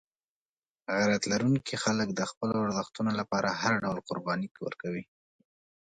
غیرت لرونکي خلک د خپلو ارزښتونو لپاره هر ډول قرباني ورکوي.